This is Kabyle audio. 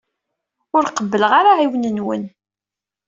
Ur qebbleɣ ara aɛiwen-nwen.